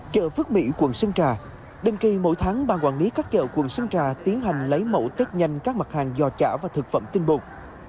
chợ phước mỹ quận sơn trà định kỳ mỗi tháng ban quản lý các chợ quận sơn trà tiến hành lấy mẫu tết nhanh các mặt hàng giò chả và thực phẩm tinh bột